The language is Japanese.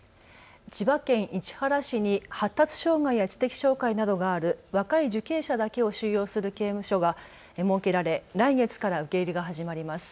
千葉県市原市に発達障害や知的障害などがある若い受刑者だけを収容する刑務所が設けられ来月から受け入れが始まります。